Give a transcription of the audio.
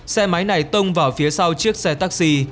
xe máy này tông vào phía sau chiếc xe taxi